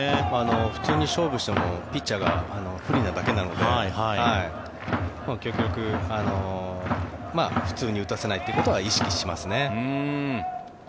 普通に勝負してもピッチャーが不利なだけなので結局、普通に打たせないということは意識しますね。